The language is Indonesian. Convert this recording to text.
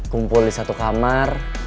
kumpul di satu kamar